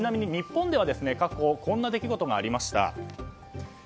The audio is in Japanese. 日本では過去こんな出来事がありました。